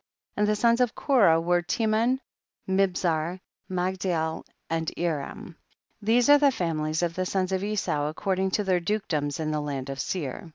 25. And the sons of Korah were Teman, Mibzar, Magdiel and Eram ; these are the famihes of the sons of Esau according to their dukedoms in the land of Seir.